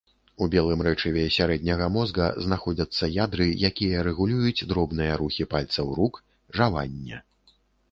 У белым рэчыве сярэдняга мозга знаходзяцца ядры, якія рэгулююць дробныя рухі пальцаў рук, жаванне.